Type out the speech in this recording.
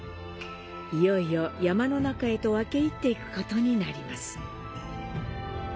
いよいよ山の中へと分け入っていくことになります。